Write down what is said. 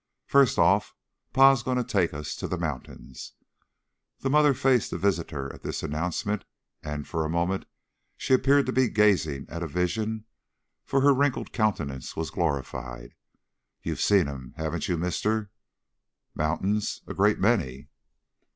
First off, Pa's goin' to take us to the mountains." The mother faced the visitor at this announcement and for a moment she appeared to be gazing at a vision, for her wrinkled countenance was glorified. "You've seen 'em, haven't you, mister?" "Mountains? A great many."